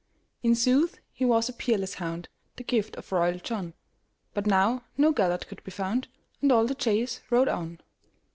In sooth he was a peerless hound, The gift of royal John; But now no Gêlert could be found, And all the chase rode on.